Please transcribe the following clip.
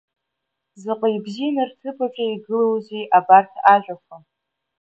Заҟа ибзианы рҭыԥаҿы игылоузеи абарҭ ажәақәа…